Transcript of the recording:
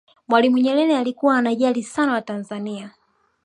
mwalimu nyerere alikuwa anajali sana watanzania